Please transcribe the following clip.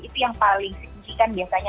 itu yang paling signifikan biasanya